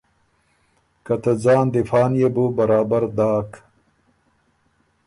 که ته ځان دفاع نيې بو برابر داک